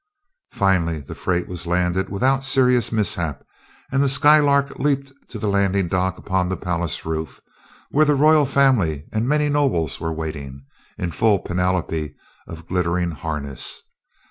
Finally the freight was landed without serious mishap and the Skylark leaped to the landing dock upon the palace roof, where the royal family and many nobles were waiting, in full panoply of glittering harness.